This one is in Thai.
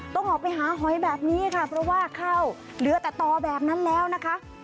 ต้องออกไปหาหอยแบบนี้ค่ะเพราะว่าเข้าเหลือแต่ต่อแบบนั้นแล้วนะคะ